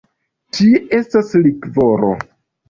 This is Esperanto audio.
Tie estas likvoro.